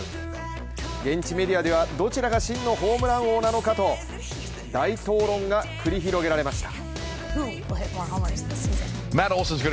現地メディアではどちらが真のホームラン王なのかと大討論が繰り広げられました。